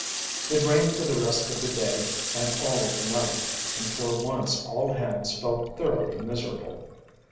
It rained for the rest of the day and all of the night, and for once all hands felt thoroughly, miserable.